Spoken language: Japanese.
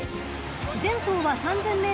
［前走は３，０００ｍのＧⅡ